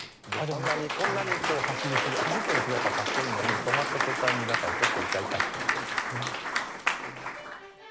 こんなに走ってる姿はかっこいいのに止まった途端にちょっと痛々しく見えるんですよね。